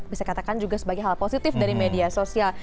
bisa dikatakan juga sebagai hal positif dari media sosial